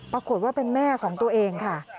ปรากฏว่าเป็นแม่ของตัวเองค่ะ